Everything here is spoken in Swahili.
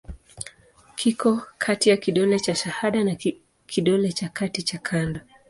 Kiko kati ya kidole cha shahada na kidole cha kati cha kando.